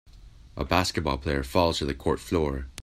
A basketball player falls to the court floor.